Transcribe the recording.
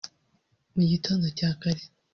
Mu gitondo cya kare